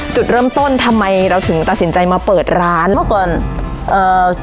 จุดเริ่มต้นทำไมเราถึงตัดสินใจมาเปิดร้านเมื่อก่อนเอ่อ